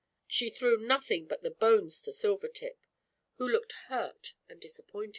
She threw nothing but the bones o to Silvertip, who looked hurt and Vi *\\ ii